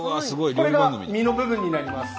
これが身の部分になります。